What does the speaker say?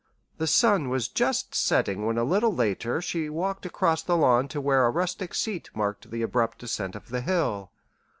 The sun was just setting when a little later she walked across the lawn to where a rustic seat marked the abrupt descent of the hill.